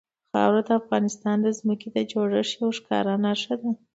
خاوره د افغانستان د ځمکې د جوړښت یوه ښکاره نښه ده.